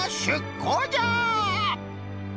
こうじゃ！